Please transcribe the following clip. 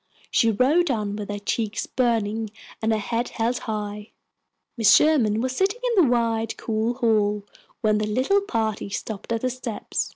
She rode on with her cheeks burning and her head held high. Mrs. Sherman was sitting in the wide, cool hall when the little party stopped at the steps.